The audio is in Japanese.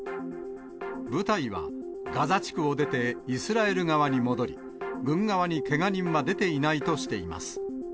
部隊はガザ地区を出て、イスラエル側に戻り、軍側にけが人は出ていないとしています。